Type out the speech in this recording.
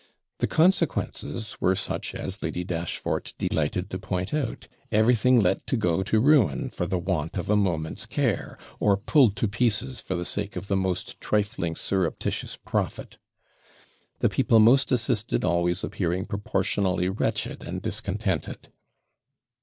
The consequences were such as Lady Dashfort delighted to point out; everything let to go to ruin for the want of a moment's care, or pulled to pieces for the sake of the most trifling surreptitious profit; the people most assisted always appearing proportionally wretched and discontented.